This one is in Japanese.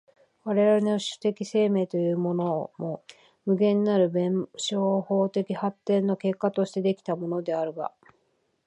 我々の種的生命というものも、無限なる弁証法的発展の結果として出来たものであるが、